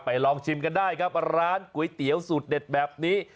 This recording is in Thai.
ลองชิมกันได้ครับร้านก๋วยเตี๋ยวสูตรเด็ดแบบนี้